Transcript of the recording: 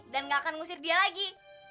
dan nggak akan ngusir dia lagi